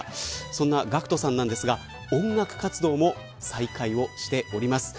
そんなＧＡＣＫＴさんですが音楽活動も再開しています。